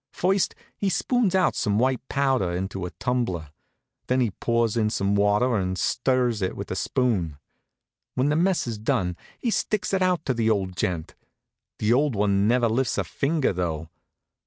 First he spoons out some white powder into a tumbler. Then he pours in some water and stirs it with a spoon. When the mess is done he sticks it out to the old gent. The old one never lifts a finger, though.